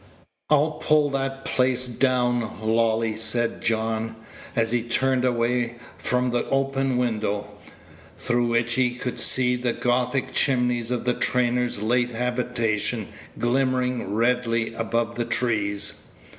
"I'll pull that place down, Lolly," said John, as he turned away from an open window, through which he could see the Gothic chimneys of the trainer's late habitation glimmering Page 169 redly above the trees.